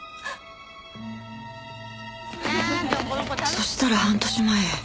そしたら半年前。